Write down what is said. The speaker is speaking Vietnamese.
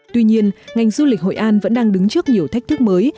tuy nhiên ngành du lịch hội an vẫn đang đứng trước nhiều thách thức mới